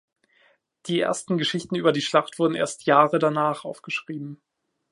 Die ersten Geschichten über die Schlacht wurden erst Jahre danach aufgeschrieben.